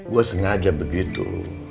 gue sengaja begitu